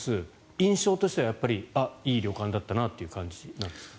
印象としてはあっ、いい旅館だったなという感じなんですか？